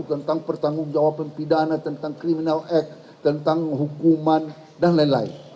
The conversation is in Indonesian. tentang pertanggung jawaban pidana tentang criminal act tentang hukuman dan lain lain